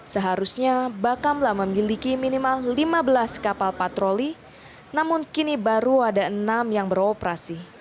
seharusnya bakamla memiliki minimal lima belas kapal patroli namun kini baru ada enam yang beroperasi